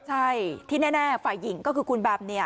ใช่ที่แน่ฝ่ายหญิงก็คือคุณแบมเนี่ย